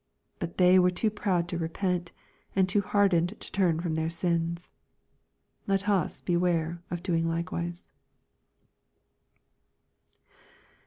But they were too proud to repent, and too hardened to turn from their sins. Let us beware of doing likewise.